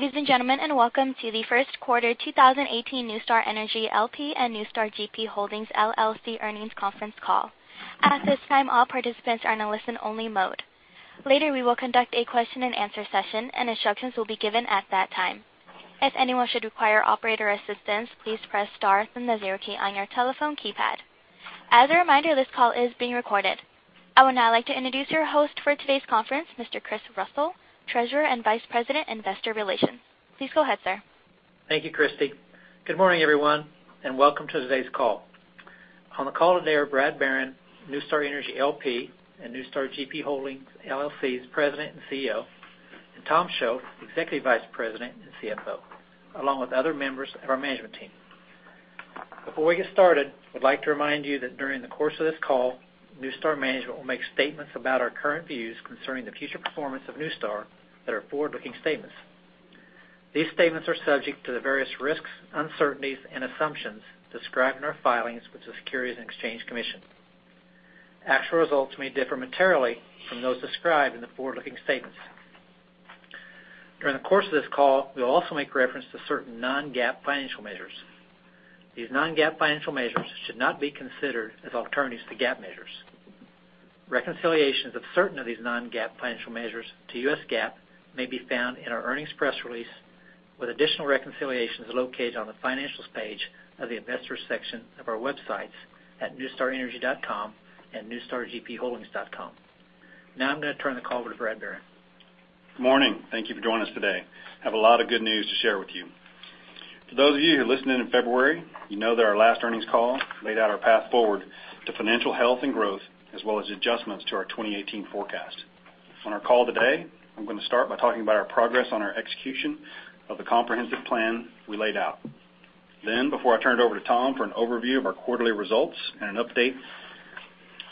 Good day, ladies and gentlemen, welcome to the first quarter 2018 NuStar Energy LP and NuStar GP Holdings, LLC earnings conference call. At this time, all participants are in a listen-only mode. Later, we will conduct a question and answer session, and instructions will be given at that time. If anyone should require operator assistance, please press star then the zero key on your telephone keypad. As a reminder, this call is being recorded. I would now like to introduce your host for today's conference, Mr. Chris Russell, Treasurer and Vice President, Investor Relations. Please go ahead, sir. Thank you, Christy. Good morning, everyone, and welcome to today's call. On the call today are Brad Barron, NuStar Energy LP, and NuStar GP Holdings LLC's President and CEO, and Tom Shoaf, Executive Vice President and CFO, along with other members of our management team. Before we get started, we'd like to remind you that during the course of this call, NuStar management will make statements about our current views concerning the future performance of NuStar that are forward-looking statements. These statements are subject to the various risks, uncertainties and assumptions described in our filings with the Securities and Exchange Commission. Actual results may differ materially from those described in the forward-looking statements. During the course of this call, we will also make reference to certain non-GAAP financial measures. These non-GAAP financial measures should not be considered as alternatives to GAAP measures. Reconciliations of certain of these non-GAAP financial measures to U.S. GAAP may be found in our earnings press release, with additional reconciliations located on the Financials page of the Investors section of our websites at nustarenergy.com and nustargpholdings.com. I'm going to turn the call over to Brad Barron. Good morning. Thank you for joining us today. I have a lot of good news to share with you. For those of you who listened in in February, you know that our last earnings call laid out our path forward to financial health and growth, as well as adjustments to our 2018 forecast. On our call today, I'm going to start by talking about our progress on our execution of the comprehensive plan we laid out. Before I turn it over to Tom for an overview of our quarterly results and an update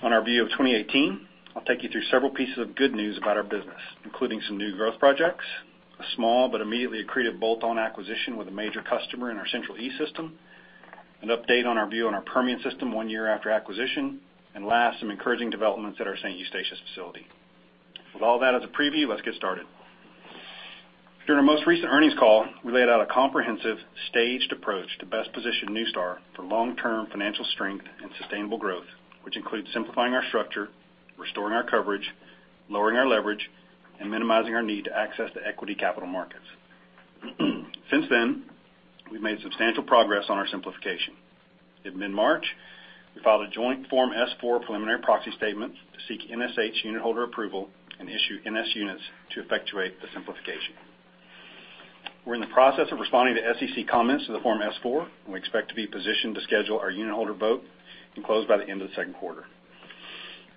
on our view of 2018, I'll take you through several pieces of good news about our business, including some new growth projects, a small but immediately accretive bolt-on acquisition with a major customer in our Central East System, an update on our view on our Permian System one year after acquisition, and last, some encouraging developments at our St. Eustatius facility. With all that as a preview, let's get started. During our most recent earnings call, we laid out a comprehensive, staged approach to best position NuStar for long-term financial strength and sustainable growth, which includes simplifying our structure, restoring our coverage, lowering our leverage, and minimizing our need to access the equity capital markets. Since then, we've made substantial progress on our simplification. In mid-March, we filed a joint Form S-4 preliminary proxy statement to seek NSH unitholder approval and issue NS units to effectuate the simplification. We're in the process of responding to SEC comments to the Form S-4, and we expect to be positioned to schedule our unitholder vote and close by the end of the second quarter.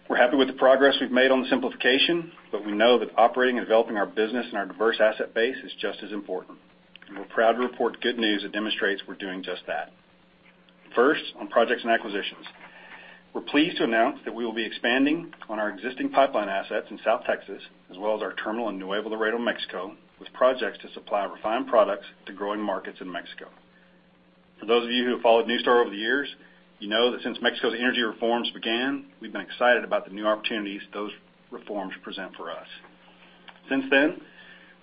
We're happy with the progress we've made on the simplification, but we know that operating and developing our business and our diverse asset base is just as important, and we're proud to report good news that demonstrates we're doing just that. On projects and acquisitions. We're pleased to announce that we will be expanding on our existing pipeline assets in South Texas, as well as our terminal in Nuevo Laredo, Mexico, with projects to supply refined products to growing markets in Mexico. For those of you who have followed NuStar over the years, you know that since Mexico's energy reforms began, we've been excited about the new opportunities those reforms present for us. Since then,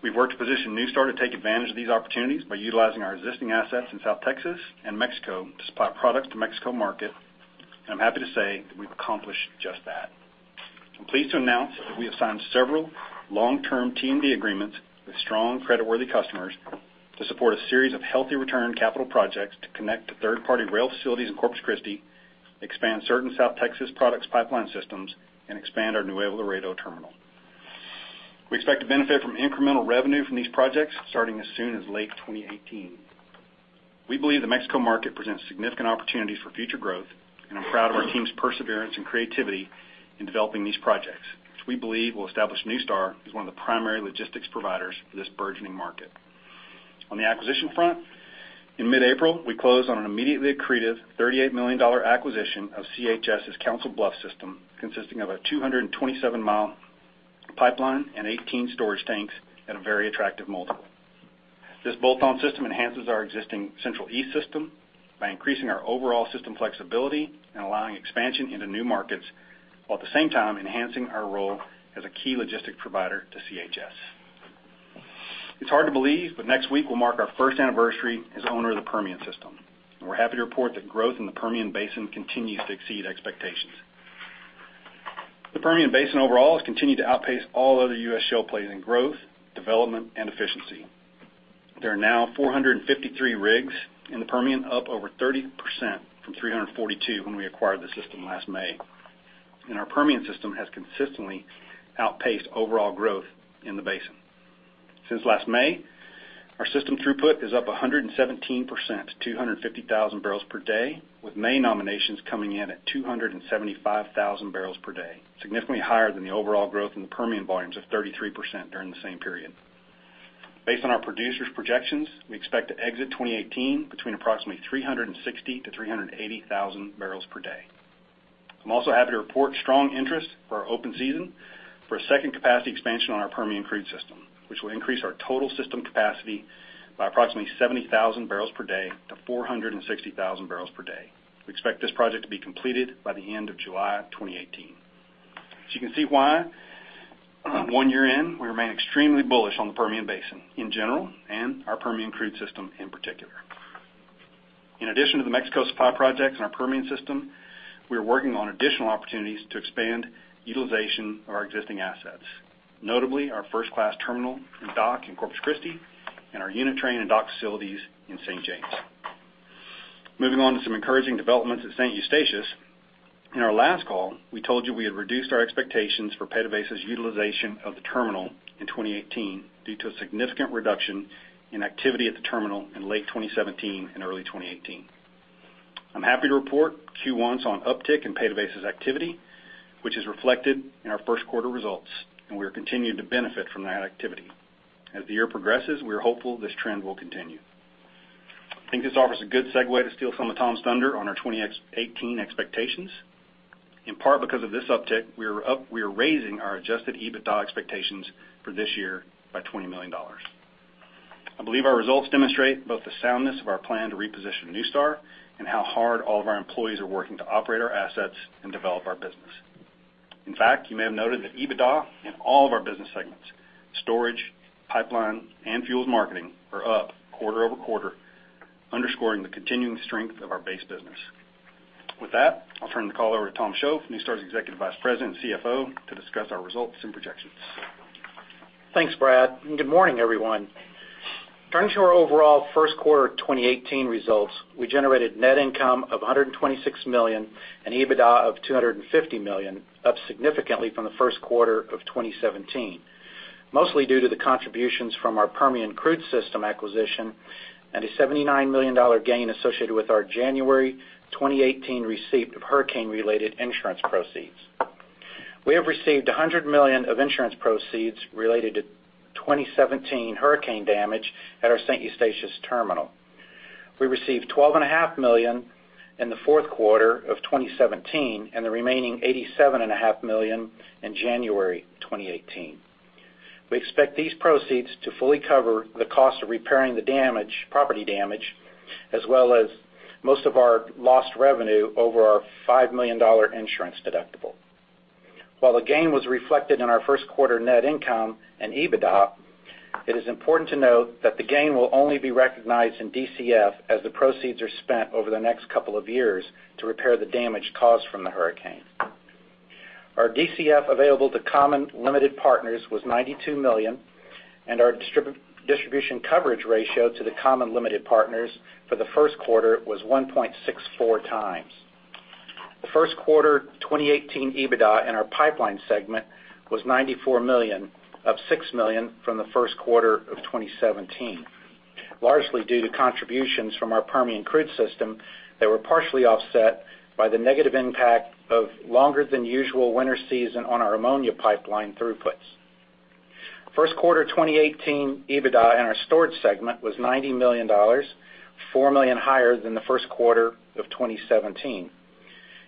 we've worked to position NuStar to take advantage of these opportunities by utilizing our existing assets in South Texas and Mexico to supply products to Mexico market, and I'm happy to say that we've accomplished just that. I'm pleased to announce that we have signed several long-term T&D agreements with strong creditworthy customers to support a series of healthy return capital projects to connect to third-party rail facilities in Corpus Christi, expand certain South Texas products pipeline systems, and expand our Nuevo Laredo terminal. We expect to benefit from incremental revenue from these projects starting as soon as late 2018. We believe the Mexico market presents significant opportunities for future growth, and I'm proud of our team's perseverance and creativity in developing these projects, which we believe will establish NuStar as one of the primary logistics providers for this burgeoning market. In mid-April, we closed on an immediately accretive $38 million acquisition of CHS' Council Bluffs system, consisting of a 227-mile pipeline and 18 storage tanks at a very attractive multiple. This bolt-on system enhances our existing Central East system by increasing our overall system flexibility and allowing expansion into new markets, while at the same time enhancing our role as a key logistic provider to CHS. It's hard to believe, but next week will mark our first anniversary as owner of the Permian System, and we're happy to report that growth in the Permian Basin continues to exceed expectations. The Permian Basin overall has continued to outpace all other U.S. shale plays in growth, development, and efficiency. There are now 453 rigs in the Permian, up over 30% from 342 when we acquired the system last May, and our Permian system has consistently outpaced overall growth in the basin. Since last May, our system throughput is up 117% to 250,000 barrels per day, with May nominations coming in at 275,000 barrels per day, significantly higher than the overall growth in the Permian volumes of 33% during the same period. Based on our producers' projections, we expect to exit 2018 between approximately 360,000-380,000 barrels per day. I'm also happy to report strong interest for our open season for a second capacity expansion on our Permian Crude System, which will increase our total system capacity by approximately 70,000 barrels per day to 460,000 barrels per day. We expect this project to be completed by the end of July 2018. You can see why one year in, we remain extremely bullish on the Permian Basin in general and our Permian Crude System in particular. In addition to the Mexico Supply projects and our Permian Crude System, we are working on additional opportunities to expand utilization of our existing assets, notably our first-class terminal and dock in Corpus Christi and our unit train and dock facilities in St. James. Moving on to some encouraging developments at St. Eustatius. In our last call, we told you we had reduced our expectations for PDVSA's utilization of the terminal in 2018 due to a significant reduction in activity at the terminal in late 2017 and early 2018. I'm happy to report Q1 saw an uptick in PDVSA's activity, which is reflected in our first quarter results, and we are continuing to benefit from that activity. As the year progresses, we are hopeful this trend will continue. I think this offers a good segue to steal some of Tom's thunder on our 2018 expectations. In part because of this uptick, we are raising our adjusted EBITDA expectations for this year by $20 million. I believe our results demonstrate both the soundness of our plan to reposition NuStar and how hard all of our employees are working to operate our assets and develop our business. In fact, you may have noted that EBITDA in all of our business segments, storage, pipeline, and fuels marketing, are up quarter-over-quarter, underscoring the continuing strength of our base business. With that, I'll turn the call over to Tom Shoaf, NuStar's Executive Vice President and CFO, to discuss our results and projections. Thanks, Brad. Good morning, everyone. Turning to our overall first quarter 2018 results, we generated net income of $126 million and EBITDA of $250 million, up significantly from the first quarter of 2017, mostly due to the contributions from our Permian Crude System acquisition and a $79 million gain associated with our January 2018 receipt of hurricane-related insurance proceeds. We have received $100 million of insurance proceeds related to 2017 hurricane damage at our St. Eustatius terminal. We received $12.5 million in the fourth quarter of 2017 and the remaining $87.5 million in January 2018. We expect these proceeds to fully cover the cost of repairing the property damage, as well as most of our lost revenue over our $5 million insurance deductible. While the gain was reflected in our first quarter net income and EBITDA, it is important to note that the gain will only be recognized in DCF as the proceeds are spent over the next couple of years to repair the damage caused from the hurricane. Our DCF available to common limited partners was $92 million. Our distribution coverage ratio to the common limited partners for the first quarter was 1.64 times. The first quarter 2018 EBITDA in our pipeline segment was $94 million, up $6 million from the first quarter of 2017, largely due to contributions from our Permian Crude System that were partially offset by the negative impact of longer than usual winter season on our ammonia pipeline throughputs. First quarter 2018 EBITDA in our storage segment was $90 million, $4 million higher than the first quarter of 2017.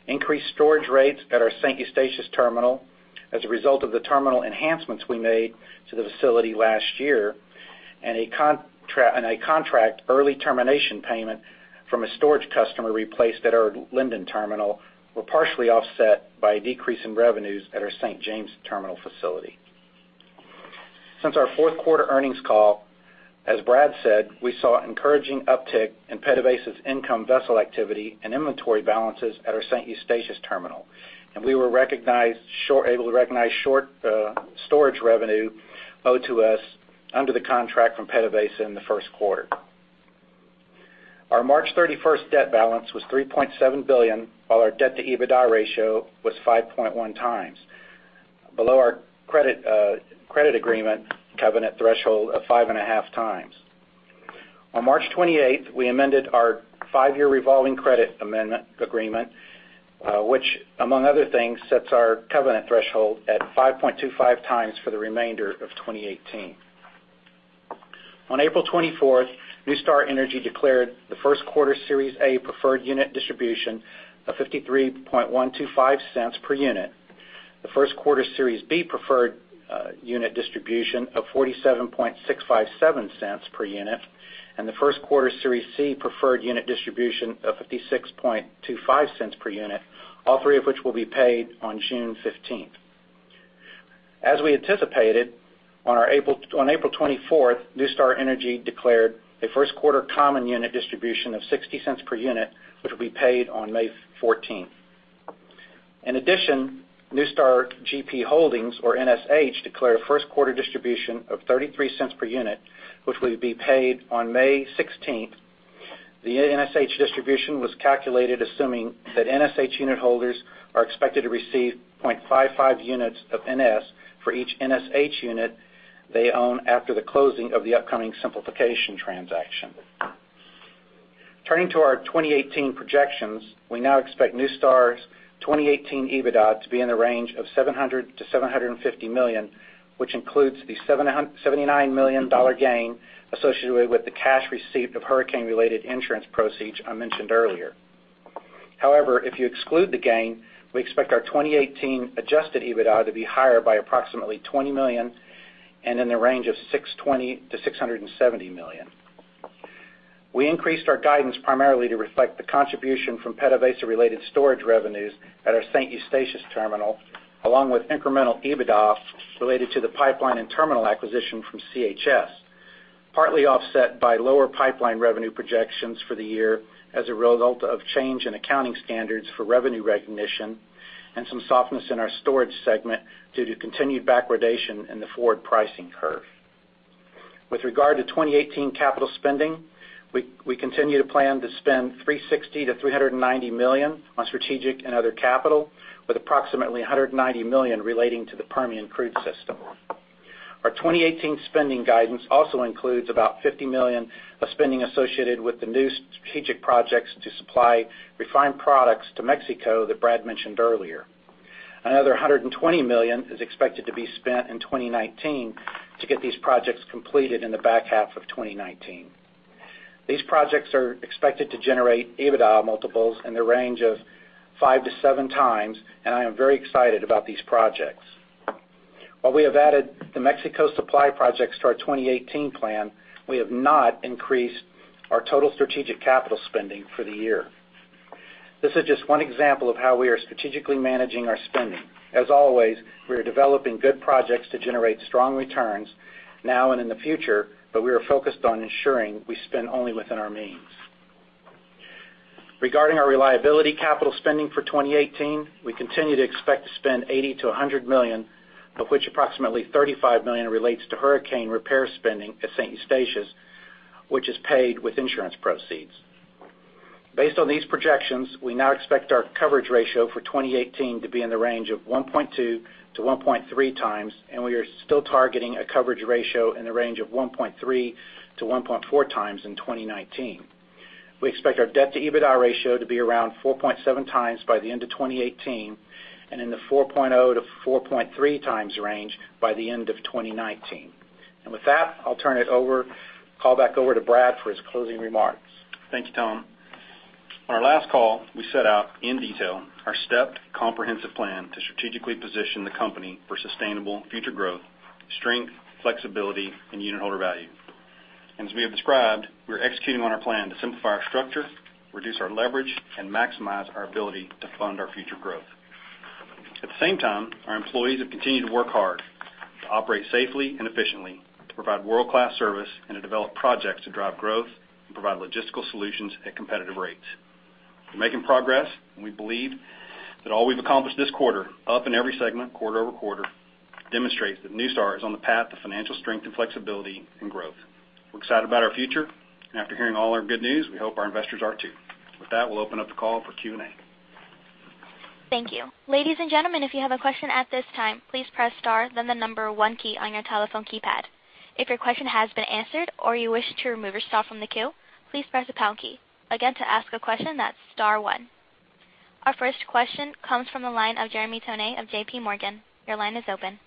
Increased storage rates at our St. Eustatius terminal as a result of the terminal enhancements we made to the facility last year and a contract early termination payment from a storage customer replaced at our Linden Terminal were partially offset by a decrease in revenues at our St. James terminal facility. Since our fourth quarter earnings call, as Brad said, we saw encouraging uptick in PDVSA's income vessel activity and inventory balances at our St. Eustatius terminal. We were able to recognize short storage revenue owed to us under the contract from PDVSA in the first quarter. Our March 31st debt balance was $3.7 billion, while our debt-to-EBITDA ratio was 5.1 times, below our credit agreement covenant threshold of 5.5 times. On March 28th, we amended our five-year revolving credit amendment agreement, which among other things, sets our covenant threshold at 5.25 times for the remainder of 2018. On April 24th, NuStar Energy declared the first quarter Series A preferred unit distribution of $0.53125 per unit. The first quarter Series B preferred unit distribution of $0.47657 per unit. The first quarter Series C preferred unit distribution of $0.5625 per unit, all three of which will be paid on June 15th. As we anticipated, on April 24th, NuStar Energy declared a first quarter common unit distribution of $0.60 per unit, which will be paid on May 14th. In addition, NuStar GP Holdings or NSH, declared a first-quarter distribution of $0.33 per unit, which will be paid on May 16th. The NSH distribution was calculated assuming that NSH unit holders are expected to receive 0.55 units of NS for each NSH unit they own after the closing of the upcoming simplification transaction. Turning to our 2018 projections, we now expect NuStar's 2018 EBITDA to be in the range of $700 million-$750 million, which includes the $79 million gain associated with the cash received of hurricane-related insurance proceeds I mentioned earlier. If you exclude the gain, we expect our 2018 adjusted EBITDA to be higher by approximately $20 million and in the range of $620 million-$670 million. We increased our guidance primarily to reflect the contribution from PDVSA related storage revenues at our St. Eustatius terminal, along with incremental EBITDA related to the pipeline and terminal acquisition from CHS, partly offset by lower pipeline revenue projections for the year as a result of change in accounting standards for revenue recognition and some softness in our storage segment due to continued backwardation in the forward pricing curve. With regard to 2018 capital spending, we continue to plan to spend $360 million-$390 million on strategic and other capital, with approximately $190 million relating to the Permian Crude System. Our 2018 spending guidance also includes about $50 million of spending associated with the new strategic projects to supply refined products to Mexico that Brad mentioned earlier. Another $120 million is expected to be spent in 2019 to get these projects completed in the back half of 2019. These projects are expected to generate EBITDA multiples in the range of five to seven times. I am very excited about these projects. While we have added the Mexico supply projects to our 2018 plan, we have not increased our total strategic capital spending for the year. This is just one example of how we are strategically managing our spending. As always, we are developing good projects to generate strong returns now and in the future, but we are focused on ensuring we spend only within our means. Regarding our reliability capital spending for 2018, we continue to expect to spend $80 million-$100 million, of which approximately $35 million relates to hurricane repair spending at St. Eustatius, which is paid with insurance proceeds. Based on these projections, we now expect our coverage ratio for 2018 to be in the range of 1.2-1.3 times. We are still targeting a coverage ratio in the range of 1.3-1.4 times in 2019. We expect our debt-to-EBITDA ratio to be around 4.7 times by the end of 2018 and in the 4.0-4.3 times range by the end of 2019. With that, I'll turn it over, call back over to Brad for his closing remarks. Thank you, Tom. On our last call, we set out in detail our stepped comprehensive plan to strategically position the company for sustainable future growth, strength, flexibility, and unitholder value. As we have described, we're executing on our plan to simplify our structure, reduce our leverage, and maximize our ability to fund our future growth. At the same time, our employees have continued to work hard to operate safely and efficiently, to provide world-class service, and to develop projects to drive growth and provide logistical solutions at competitive rates. We're making progress, and we believe that all we've accomplished this quarter, up in every segment quarter-over-quarter, demonstrates that NuStar is on the path to financial strength and flexibility and growth. After hearing all our good news, we hope our investors are too. With that, we'll open up the call for Q&A. Thank you. Ladies and gentlemen, if you have a question at this time, please press star then the number one key on your telephone keypad. If your question has been answered or you wish to remove yourself from the queue, please press the pound key. Again, to ask a question, that's star one. Our first question comes from the line of Jeremy Tonet of J.P. Morgan. Your line is open.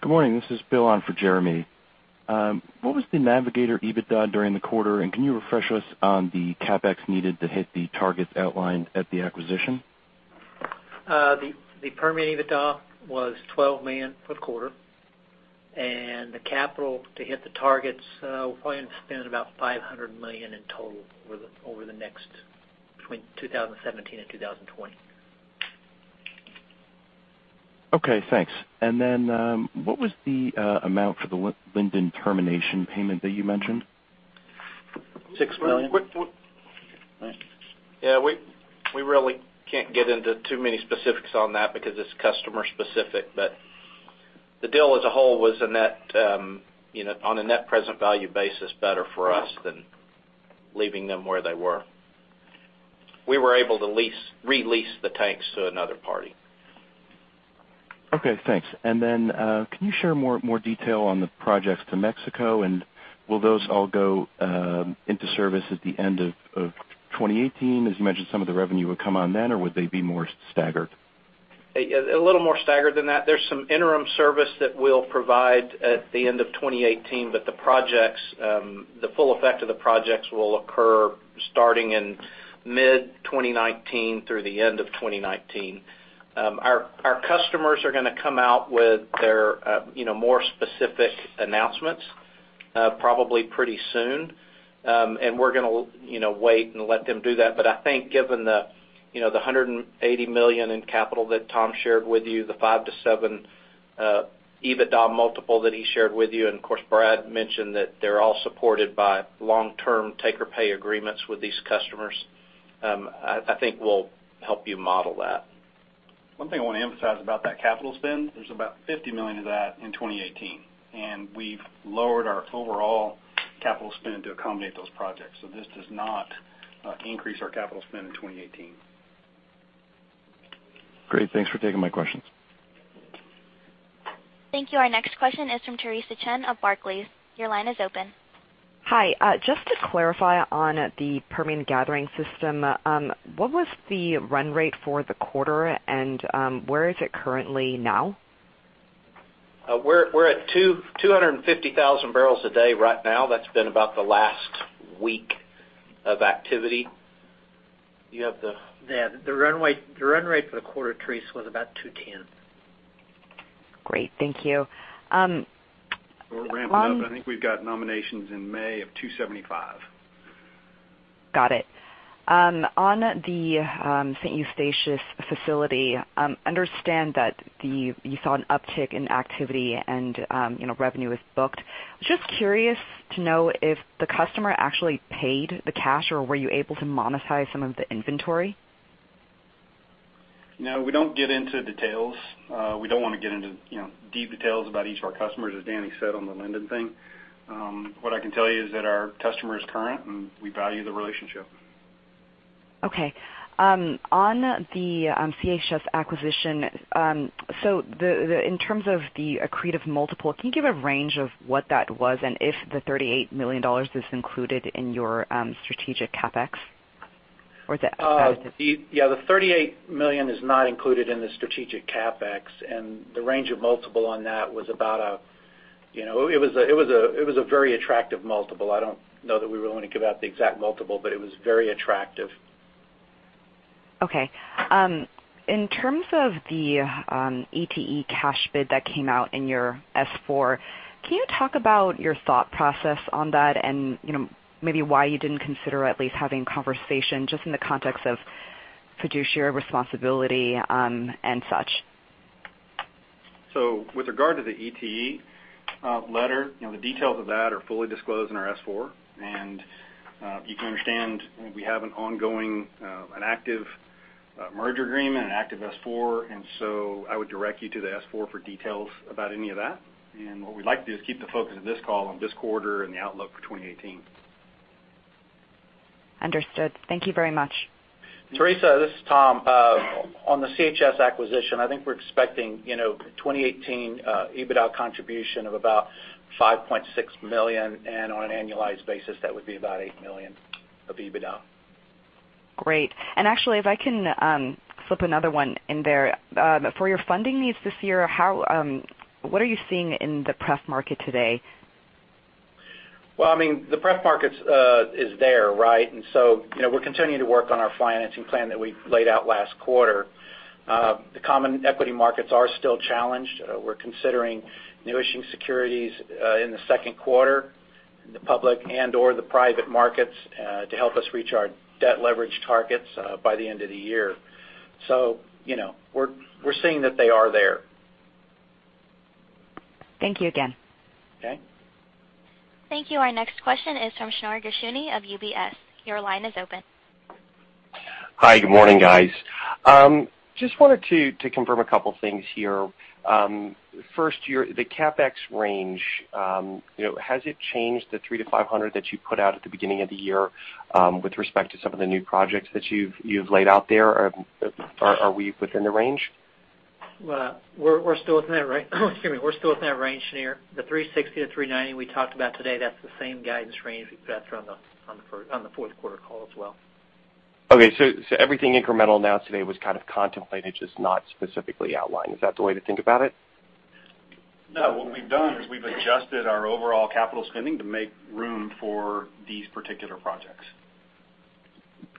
Good morning. This is Bill on for Jeremy. What was the Navigator EBITDA during the quarter, and can you refresh us on the CapEx needed to hit the targets outlined at the acquisition? The Permian EBITDA was $12 million per quarter. The capital to hit the targets, we're planning to spend about $500 million in total between 2017 and 2020. Okay, thanks. What was the amount for the Linden termination payment that you mentioned? $6 million. Yeah, we really can't get into too many specifics on that because it's customer specific. The deal as a whole was on a net present value basis better for us than leaving them where they were. We were able to re-lease the tanks to another party. Okay, thanks. Can you share more detail on the projects to Mexico, and will those all go into service at the end of 2018? As you mentioned, some of the revenue would come on then, or would they be more staggered? A little more staggered than that. There's some interim service that we'll provide at the end of 2018, but the full effect of the projects will occur starting in mid-2019 through the end of 2019. Our customers are going to come out with their more specific announcements probably pretty soon. We're going to wait and let them do that. I think given the $180 million in capital that Tom shared with you, the five to seven EBITDA multiple that he shared with you, and of course, Brad mentioned that they're all supported by long-term take-or-pay agreements with these customers, I think will help you model that. One thing I want to emphasize about that capital spend, there's about $50 million of that in 2018. We've lowered our overall capital spend to accommodate those projects. This does not increase our capital spend in 2018. Great. Thanks for taking my questions. Thank you. Our next question is from Theresa Chen of Barclays. Your line is open. Hi. Just to clarify on the Permian gathering system, what was the run rate for the quarter and where is it currently now? We're at 250,000 barrels a day right now. That's been about the last week of activity. The run rate for the quarter, Theresa, was about 210. Great. Thank you. We're ramping up. I think we've got nominations in May of 275. Got it. On the St. Eustatius facility, understand that you saw an uptick in activity and revenue is booked. Just curious to know if the customer actually paid the cash, or were you able to monetize some of the inventory? No, we don't get into details. We don't want to get into deep details about each of our customers, as Danny said on the Linden thing. What I can tell you is that our customer is current, and we value the relationship. Okay. On the CHS acquisition, in terms of the accretive multiple, can you give a range of what that was and if the $38 million is included in your strategic CapEx? Or is that Yeah, the $38 million is not included in the strategic CapEx. The range of multiple on that was about a very attractive multiple. I don't know that we were willing to give out the exact multiple. It was very attractive. Okay. In terms of the ETE cash bid that came out in your S-4, can you talk about your thought process on that and maybe why you didn't consider at least having conversation, just in the context of fiduciary responsibility and such? With regard to the ETE letter, the details of that are fully disclosed in our S-4. You can understand we have an ongoing, active merger agreement, an active S-4, so I would direct you to the S-4 for details about any of that. What we'd like to do is keep the focus of this call on this quarter and the outlook for 2018. Understood. Thank you very much. Theresa, this is Tom. On the CHS acquisition, I think we're expecting 2018 EBITDA contribution of about $5.6 million, on an annualized basis, that would be about $8 million of EBITDA. Great. Actually, if I can slip another one in there. For your funding needs this year, what are you seeing in the pref market today? Well, the pref markets is there, right? We're continuing to work on our financing plan that we laid out last quarter. The common equity markets are still challenged. We're considering new issuing securities in the second quarter in the public and/or the private markets to help us reach our debt leverage targets by the end of the year. We're seeing that they are there. Thank you again. Okay. Thank you. Our next question is from Shneur Gershuni of UBS. Your line is open. Hi. Good morning, guys. Just wanted to confirm a couple things here. First, the CapEx range. Has it changed the $300-$500 that you put out at the beginning of the year with respect to some of the new projects that you've laid out there? Are we within the range? Well, we're still within that range, Shneur. The $360-$390 we talked about today, that's the same guidance range we put out there on the fourth quarter call as well. Okay. Everything incremental announced today was kind of contemplated, just not specifically outlined. Is that the way to think about it? No, what we've done is we've adjusted our overall capital spending to make room for these particular projects.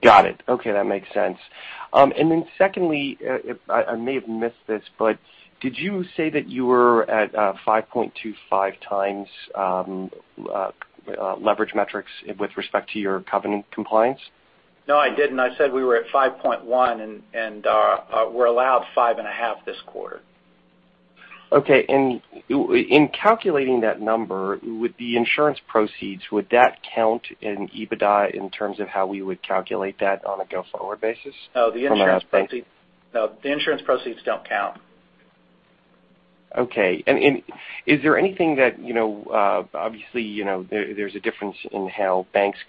Got it. Okay. That makes sense. Secondly, I may have missed this, but did you say that you were at 5.25x leverage metrics with respect to your covenant compliance? No, I didn't. I said we were at 5.1, and we're allowed 5.5 this quarter. Okay. In calculating that number, with the insurance proceeds, would that count in EBITDA in terms of how we would calculate that on a go-forward basis from now- No, the insurance proceeds don't count. Is there anything that Obviously, there's a difference in how banks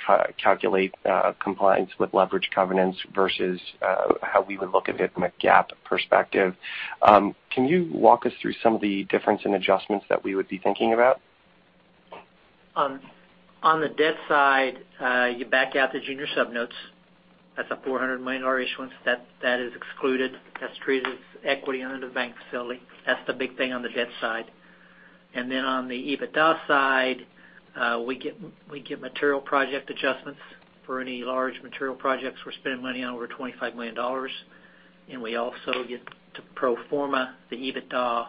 calculate compliance with leverage covenants versus how we would look at it from a GAAP perspective. Can you walk us through some of the difference in adjustments that we would be thinking about? On the debt side, you back out the junior sub-notes. That's a $400 million issuance. That is excluded. That's treated as equity under the bank facility. That's the big thing on the debt side. Then on the EBITDA side, we get material project adjustments for any large material projects we're spending money on over $25 million. We also get to pro forma the EBITDA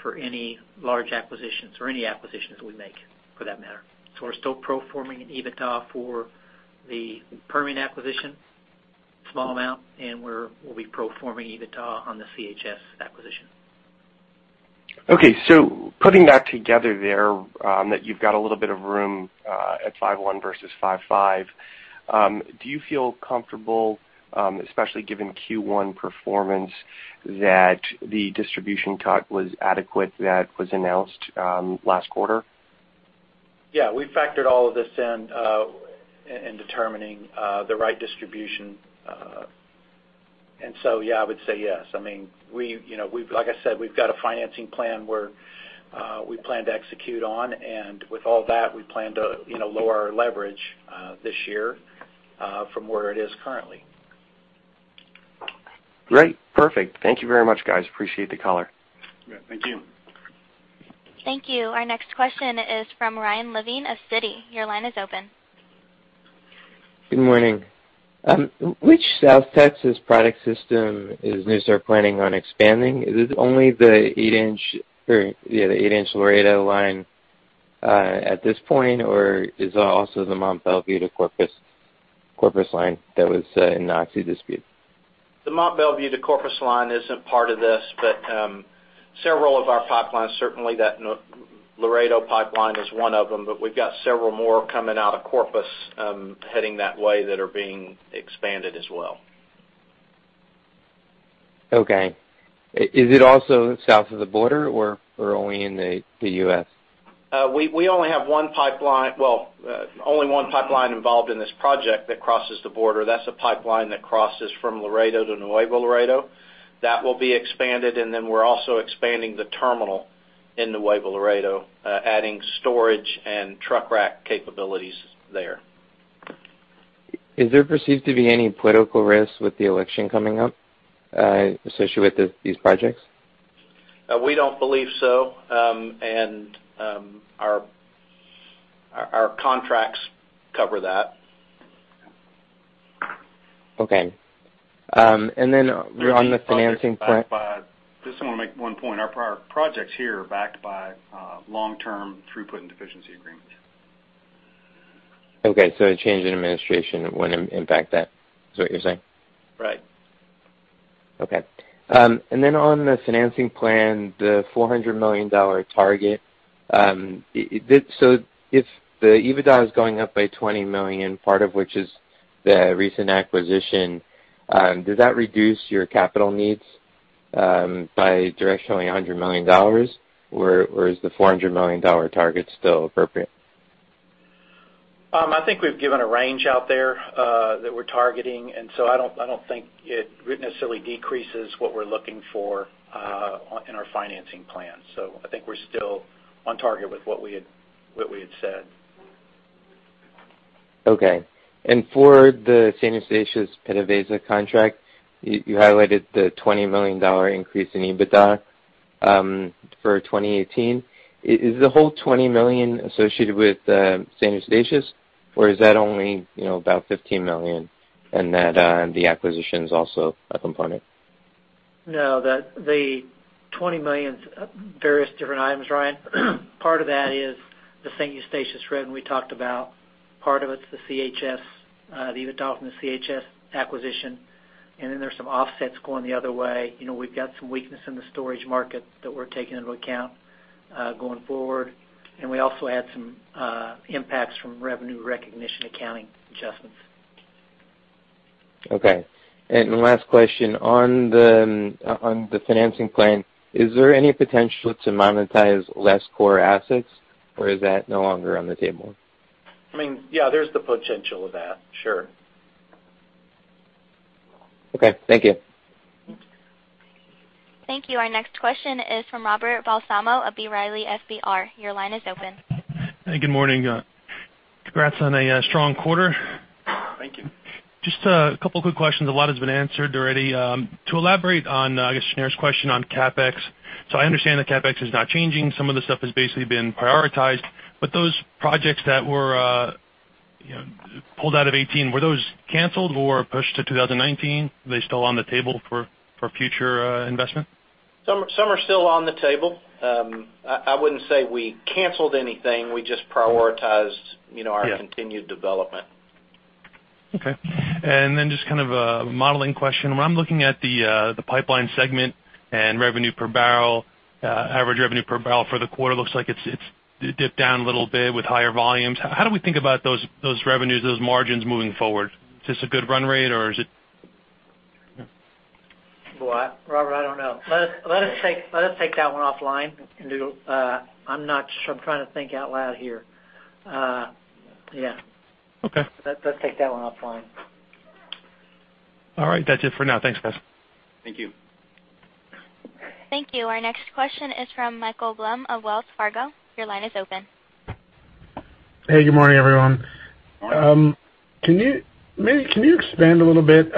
for any large acquisitions or any acquisitions we make, for that matter. We're still pro forming an EBITDA for the Permian acquisition, small amount, and we'll be pro forming EBITDA on the CHS acquisition. Okay. Putting that together there, that you've got a little bit of room at 5.1 versus 5.5. Do you feel comfortable, especially given Q1 performance, that the distribution cut was adequate that was announced last quarter? Yeah. We factored all of this in in determining the right distribution. Yeah, I would say yes. Like I said, we've got a financing plan where we plan to execute on, and with all that, we plan to lower our leverage this year from where it is currently. Great. Perfect. Thank you very much, guys. Appreciate the call. Yeah, thank you. Thank you. Our next question is from Ryan Levine of Citi. Your line is open. Good morning. Which South Texas product system is NuStar planning on expanding? Is it only the eight-inch Laredo line at this point, or is it also the Mont Belvieu to Corpus line that was in dispute? The Mont Belvieu to Corpus line isn't part of this, but several of our pipelines, certainly that Laredo pipeline is one of them, but we've got several more coming out of Corpus heading that way that are being expanded as well. Okay. Is it also south of the border or only in the U.S.? We only have one pipeline involved in this project that crosses the border. That's a pipeline that crosses from Laredo to Nuevo Laredo. That will be expanded, and then we're also expanding the terminal in Nuevo Laredo, adding storage and truck rack capabilities there. Is there perceived to be any political risk with the election coming up associated with these projects? We don't believe so. Our contracts cover that. Okay. On the financing plan- Just want to make one point. Our projects here are backed by long-term throughput and deficiency agreements. Okay, a change in administration wouldn't impact that, is what you're saying? Right. Okay. On the financing plan, the $400 million target. If the EBITDA is going up by $20 million, part of which is the recent acquisition, does that reduce your capital needs by directionally $100 million, or is the $400 million target still appropriate? I think we've given a range out there that we're targeting, I don't think it necessarily decreases what we're looking for in our financing plan. I think we're still on target with what we had said. Okay. For the St. Eustatius PDVSA contract, you highlighted the $20 million increase in EBITDA for 2018. Is the whole $20 million associated with St. Eustatius, or is that only about $15 million and the acquisition's also a component? No, the $20 million is various different items, Ryan. Part of that is the St. Eustatius revenue we talked about. Part of it's the EBITDA from the CHS acquisition, there's some offsets going the other way. We've got some weakness in the storage market that we're taking into account going forward. We also had some impacts from revenue recognition accounting adjustments. Okay. Last question. On the financing plan, is there any potential to monetize less core assets, or is that no longer on the table? Yeah, there's the potential of that, sure. Okay. Thank you. Thank you. Our next question is from Robert Balsamo of B. Riley FBR. Your line is open. Hey, good morning. Congrats on a strong quarter. Thank you. Just a couple quick questions. A lot has been answered already. To elaborate on, I guess, Shneur's question on CapEx. I understand that CapEx is not changing. Some of the stuff has basically been prioritized, but those projects that were pulled out of 2018, were those canceled or pushed to 2019? Are they still on the table for future investment? Some are still on the table. I wouldn't say we canceled anything. We just prioritized our continued development. Okay. Then just kind of a modeling question. When I'm looking at the pipeline segment and revenue per barrel, average revenue per barrel for the quarter looks like it's dipped down a little bit with higher volumes. How do we think about those revenues, those margins moving forward? Is this a good run rate, or is it? Boy, Robert, I don't know. Let us take that one offline. I'm trying to think out loud here. Yeah. Okay. Let's take that one offline. All right. That's it for now. Thanks, guys. Thank you. Thank you. Our next question is from Michael Blum of Wells Fargo. Your line is open. Hey, good morning, everyone. Morning. Can you expand a little bit,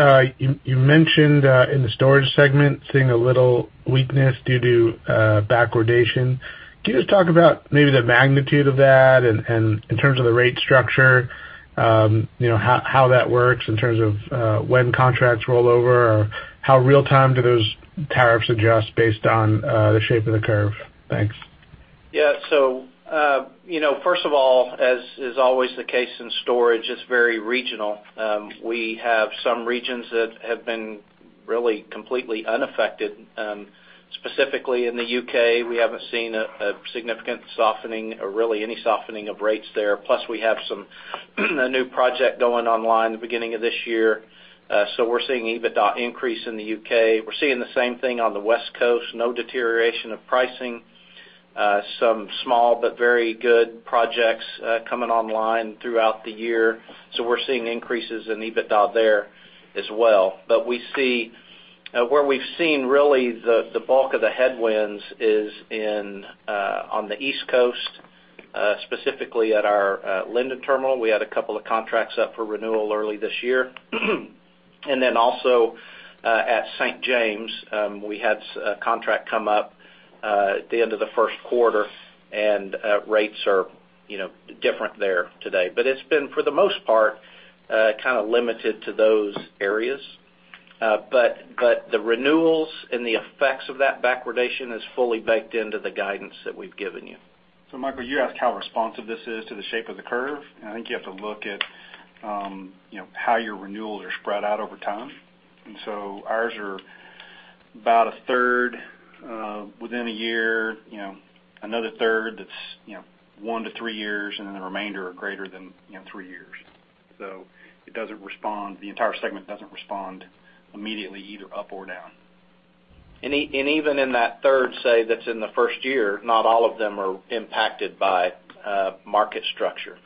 you mentioned in the storage segment seeing a little weakness due to backwardation. Can you just talk about maybe the magnitude of that and in terms of the rate structure how that works in terms of when contracts roll over or how real time do those tariffs adjust based on the shape of the curve? Thanks. First of all, as is always the case in storage, it is very regional. We have some regions that have been really completely unaffected. Specifically in the U.K., we haven't seen a significant softening or really any softening of rates there. Plus, we have some new project going online the beginning of this year. We're seeing EBITDA increase in the U.K. We're seeing the same thing on the West Coast, no deterioration of pricing. Some small but very good projects coming online throughout the year. We're seeing increases in EBITDA there as well. Where we've seen really the bulk of the headwinds is on the East Coast, specifically at our Linden terminal. We had a couple of contracts up for renewal early this year. Then also at St. James, we had a contract come up at the end of the first quarter, and rates are different there today. It has been, for the most part, limited to those areas. The renewals and the effects of that backwardation is fully baked into the guidance that we've given you. Michael, you asked how responsive this is to the shape of the curve. I think you have to look at how your renewals are spread out over time. Ours are about a third within a year, another third that is one to three years, and the remainder are greater than three years. The entire segment doesn't respond immediately, either up or down. Even in that third, say, that is in the first year, not all of them are impacted by market structure.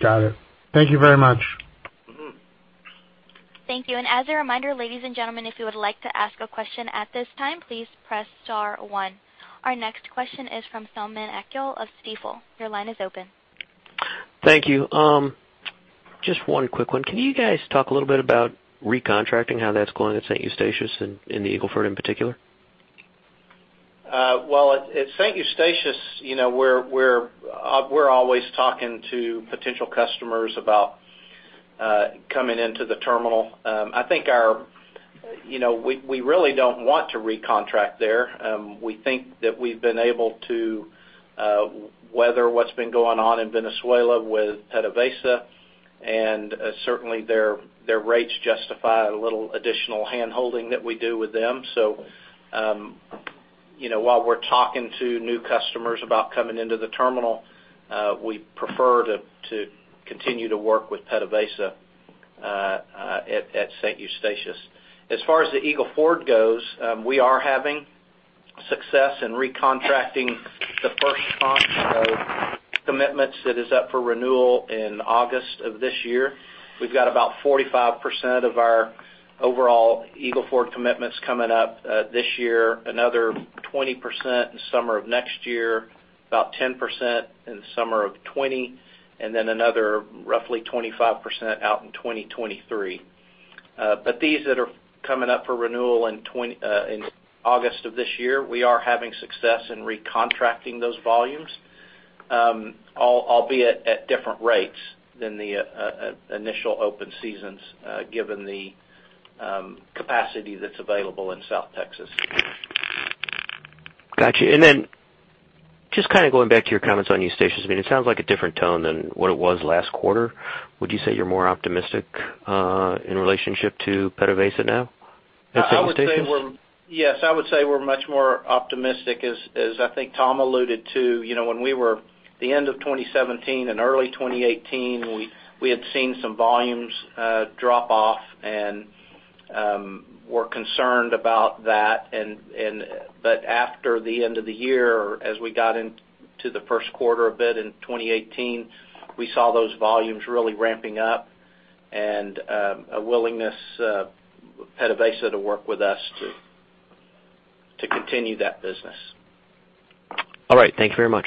Got it. Thank you very much. Thank you. As a reminder, ladies and gentlemen, if you would like to ask a question at this time, please press star one. Our next question is from Selman Akyol of Stifel. Your line is open. Thank you. Just one quick one. Can you guys talk a little bit about recontracting, how that's going at St. Eustatius and in the Eagle Ford in particular? Well, at St. Eustatius, we're always talking to potential customers about coming into the terminal. I think we really don't want to recontract there. We think that we've been able to weather what's been going on in Venezuela with PDVSA, and certainly their rates justify a little additional handholding that we do with them. While we're talking to new customers about coming into the terminal, we prefer to continue to work with PDVSA at St. Eustatius. As far as the Eagle Ford goes, we are having success in recontracting the first tranche of commitments that is up for renewal in August of this year. We've got about 45% of our overall Eagle Ford commitments coming up this year, another 20% in summer of next year, about 10% in the summer of 2020, and then another roughly 25% out in 2023. These that are coming up for renewal in August of this year, we are having success in recontracting those volumes, albeit at different rates than the initial open seasons, given the capacity that's available in South Texas. Got you. Just going back to your comments on St. Eustatius. It sounds like a different tone than what it was last quarter. Would you say you're more optimistic in relationship to PDVSA now at St. Eustatius? Yes. I would say we're much more optimistic. As I think Tom alluded to, when we were the end of 2017 and early 2018, we had seen some volumes drop off and were concerned about that. After the end of the year, as we got into the first quarter a bit in 2018, we saw those volumes really ramping up and a willingness of PDVSA to work with us to continue that business. All right. Thank you very much.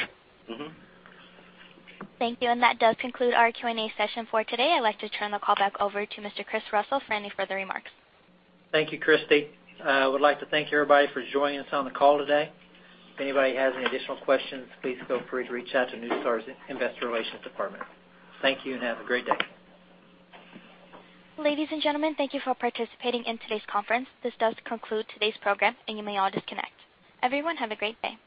Thank you. That does conclude our Q&A session for today. I'd like to turn the call back over to Mr. Chris Russell for any further remarks. Thank you, Christy. I would like to thank everybody for joining us on the call today. If anybody has any additional questions, please feel free to reach out to NuStar's Investor Relations department. Thank you, have a great day. Ladies and gentlemen, thank you for participating in today's conference. This does conclude today's program, you may all disconnect. Everyone, have a great day.